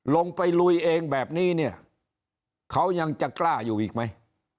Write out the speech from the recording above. ลงไปลุยเองแบบนี้เนี่ยเขายังจะกล้าอยู่อีกไหม